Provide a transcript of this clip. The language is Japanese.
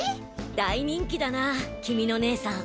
大人気だな君の姉さん！